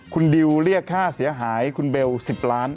คุณดิวเรียกค่าเสียหายคุณเบล๑๐ล้าน